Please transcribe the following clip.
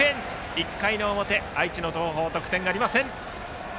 １回の表、愛知の東邦得点ありません。